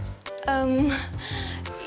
clara kamu tau boy